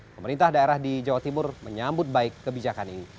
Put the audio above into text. pemerintah daerah di jawa timur menyambut baik kebijakan ini